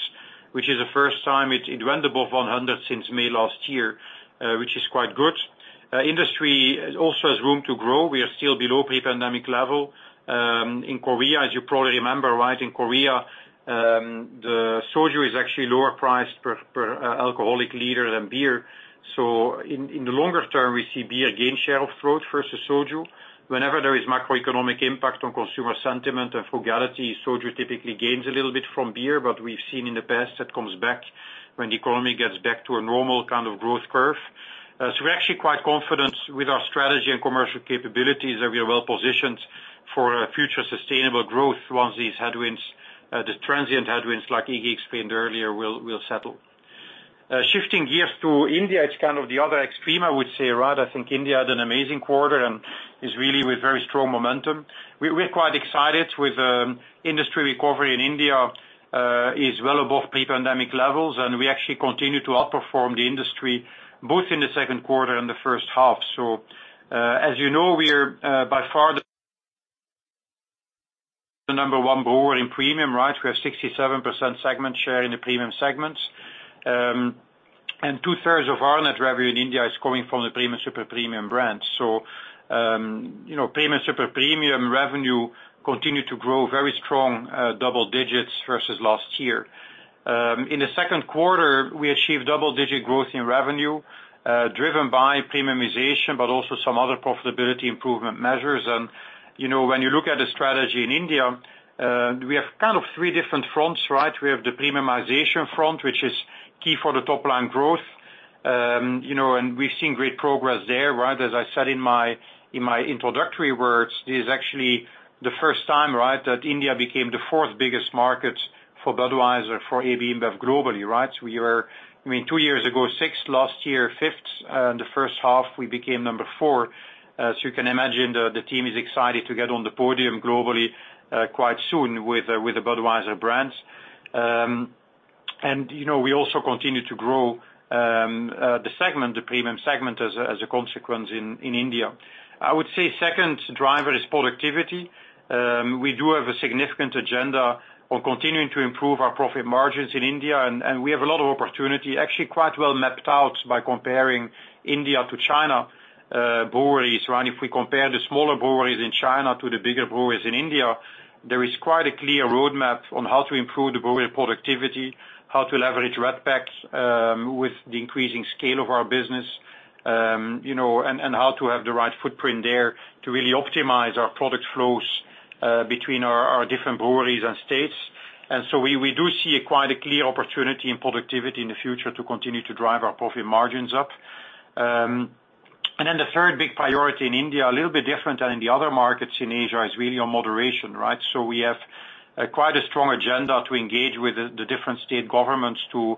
which is the first time it went above 100 since May last year, which is quite good. Industry also has room to grow. We are still below pre-pandemic level, in Korea. As you probably remember, right, in Korea, the soju is actually lower priced per, per, alcoholic liter than beer. In, in the longer term, we see beer gain share of throat versus soju. Whenever there is macroeconomic impact on consumer sentiment and frugality, soju typically gains a little bit from beer, but we've seen in the past, that comes back when the economy gets back to a normal kind of growth curve. We're actually quite confident with our strategy and commercial capabilities, that we are well positioned for a future sustainable growth once these headwinds, the transient headwinds, like Iggy explained earlier, will settle. Shifting gears to India, it's kind of the other extreme, I would say, right? I think India had an amazing quarter and is really with very strong momentum. We're quite excited with industry recovery in India is well above pre-pandemic levels, and we actually continue to outperform the industry, both in the second quarter and the first half. As you know, we're by far the number one brewer in premium, right? We have 67% segment share in the premium segment. Two-thirds of our net revenue in India is coming from the premium, super premium brands. You know, premium, super premium revenue continued to grow very strong, double digits versus last year. In the second quarter, we achieved double-digit growth in revenue, driven by premiumization, but also some other profitability improvement measures. You know, when you look at the strategy in India, we have kind of three different fronts, right? We have the premiumization front, which is key for the top line growth. You know, we've seen great progress there, right? As I said in my, in my introductory words, this is actually the first time, right, that India became the fourth biggest market for Budweiser, for AB InBev globally, right? We were, I mean, two years ago, sixth, last year, fifth, in the first half, we became number four. You can imagine the, the team is excited to get on the podium globally, quite soon with the Budweiser brands. You know, we also continue to grow the segment, the premium segment, as a consequence in India. I would say second driver is productivity. We do have a significant agenda on continuing to improve our profit margins in India, and, and we have a lot of opportunity, actually, quite well mapped out by comparing India to China breweries, right? If we compare the smaller breweries in China to the bigger breweries in India, there is quite a clear roadmap on how to improve the brewery productivity, how to leverage route packs with the increasing scale of our business, you know, and, and how to have the right footprint there to really optimize our product flows between our, our different breweries and states. We, we do see quite a clear opportunity in productivity in the future to continue to drive our profit margins up. Then the third big priority in India, a little bit different than in the other markets in Asia, is really on moderation, right? We have quite a strong agenda to engage with the different state governments to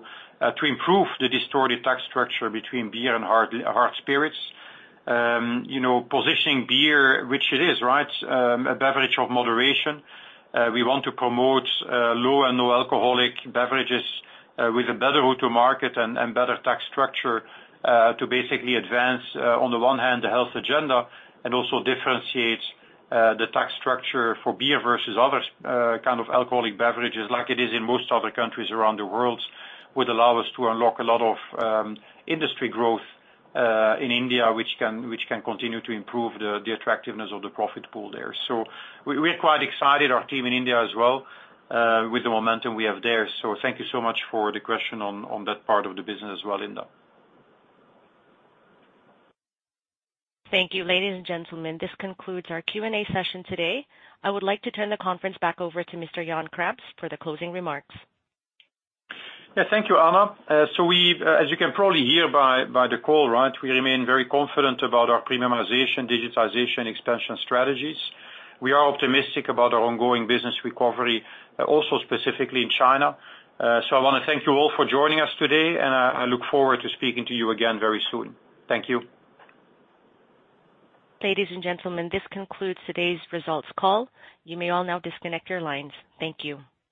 improve the distorted tax structure between beer and hard, hard spirits. You know, positioning beer, which it is, right? a beverage of moderation. We want to promote low and no alcoholic beverages with a better route to market and, and better tax structure, to basically advance, on the one hand, the health agenda, and also differentiates the tax structure for beer versus other kind of alcoholic beverages, like it is in most other countries around the world, would allow us to unlock a lot of industry growth in India, which can, which can continue to improve the attractiveness of the profit pool there. We're quite excited, our team in India as well, with the momentum we have there. Thank you so much for the question on that part of the business as well, Linda. Thank you. Ladies and gentlemen, this concludes our Q&A session today. I would like to turn the conference back over to Mr. Jan Craps for the closing remarks. Thank you, Anna. As you can probably hear by, by the call, right, we remain very confident about our premiumization, digitization, expansion strategies. We are optimistic about our ongoing business recovery, also specifically in China. I wanna thank you all for joining us today, and I, I look forward to speaking to you again very soon. Thank you. Ladies and gentlemen, this concludes today's results call. You may all now disconnect your lines. Thank you.